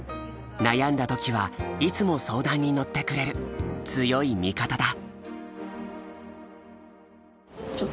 悩んだ時はいつも相談に乗ってくれる強い味方だ。